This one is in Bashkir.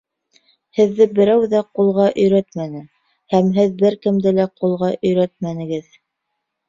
Һеҙҙе берәү ҙә ҡулға өйрәтмәне, һәм һеҙ бер кемде лә ҡулға өйрәтмәнегеҙ.